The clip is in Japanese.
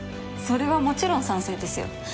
それはもちろん賛成ですよ。